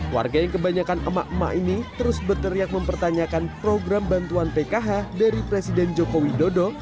warga yang kebanyakan emak emak ini terus berteriak mempertanyakan program bantuan pkh dari presiden joko widodo